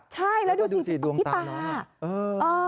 ใช่แล้วดูสีดวงตามน้องนี่